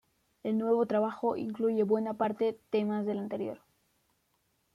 El nuevo trabajo incluye buena parte temas del anterior.